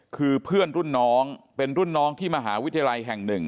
คือเพื่อนรุ่นน้องเป็นรุ่นน้องที่มหาวิทยาลัยแห่งหนึ่ง